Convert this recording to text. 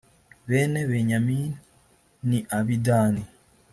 bene benyamini ni abidani